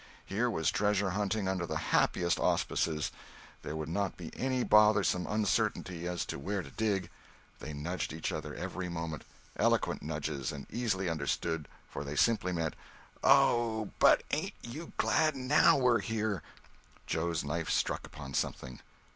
Here was treasure hunting under the happiest auspices—there would not be any bothersome uncertainty as to where to dig. They nudged each other every moment—eloquent nudges and easily understood, for they simply meant—"Oh, but ain't you glad now we're here!" Joe's knife struck upon something.